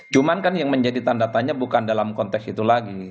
cuman kan yang menjadi tanda tanya bukan dalam konteks itu lagi